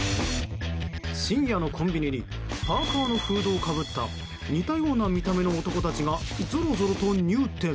深夜のコンビニにパーカのフードをかぶった似たような見た目の男たちがぞろぞろと入店。